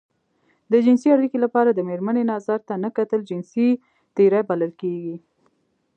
د جنسي اړيکې لپاره د مېرمنې نظر ته نه کتل جنسي تېری بلل کېږي.